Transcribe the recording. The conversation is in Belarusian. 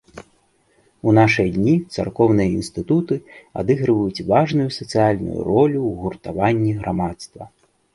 У нашы дні царкоўныя інстытуты адыгрываюць важную сацыяльную ролю ў гуртаванні грамадства.